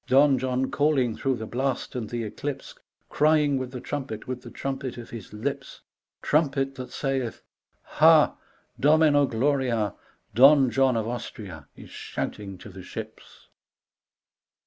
Don John calling through the blast and the eclipse,. Crying with the trumpet, with the trumpet of his lips,. Trumpet that sayeth ha 1 Domino gloria I Don John of Austria Is shouting to the ships.